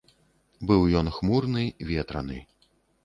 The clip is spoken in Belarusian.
Быў ён хмурны, ветраны.